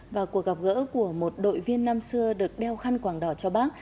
và cuộc gặp gỡ của một đội viên năm xưa được đeo khăn quảng đỏ cho bác